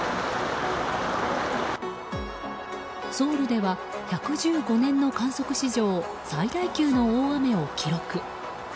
ソウルでは１１５年の観測史上最大級の大雨を記録。